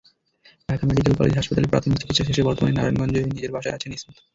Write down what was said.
Dhaka medical college হাসপাতালে প্রাথমিক চিকিৎসা শেষে বর্তমানে নারায়ণগঞ্জে নিজের বাসায় আছেন ইসমত।